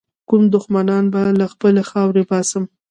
کوم دښمنان به له خپلي خاورې باسم.